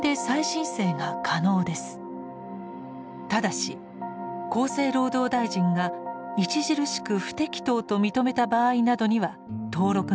ただし厚生労働大臣が「著しく不適当」と認めた場合などには登録ができません。